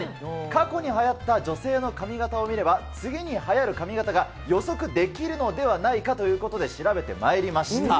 過去にはやった女性の髪形を見れば、次にはやる髪形が予測できるのではないかということで調べてまいりました。